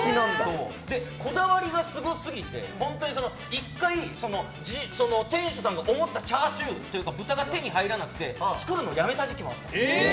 こだわりがすごすぎて１回、店主さんが思った豚が手に入らなくて作るのをやめた時期もあった。